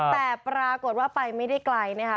แต่ปรากฏว่าไปไม่ได้ไกลนะคะ